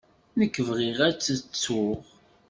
Nekk bɣiɣ ad tt-ttuɣ.